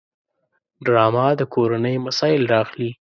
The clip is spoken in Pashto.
ډرامه د کورنۍ مسایل راخلي